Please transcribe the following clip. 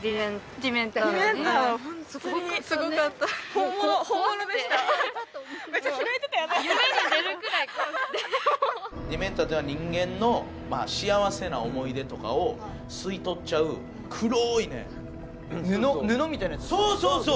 ディメンターっていうのは人間の幸せな思い出とかを吸い取っちゃう黒いね布布みたいなやつそう